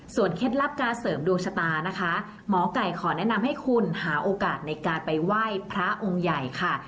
เคล็ดลับการเสริมดวงชะตานะคะหมอไก่ขอแนะนำให้คุณหาโอกาสในการไปไหว้พระองค์ใหญ่ค่ะ